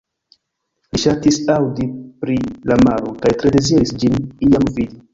Li ŝatis aŭdi pri la maro, kaj tre deziris ĝin iam vidi.